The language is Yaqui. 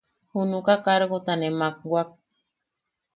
Junuka kargota ne makwak.